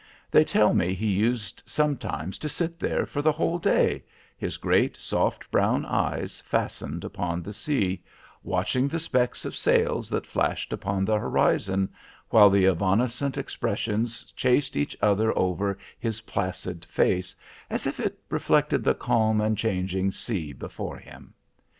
They tell me he used sometimes to sit there for the whole day, his great, soft, brown eyes fastened upon the sea, watching the specks of sails that flashed upon the horizon, while the evanescent expressions chased each other over his placid face, as if it reflected the calm and changing sea before him.